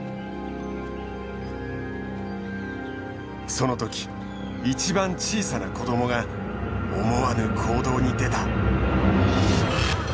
その時一番小さな子供が思わぬ行動に出た。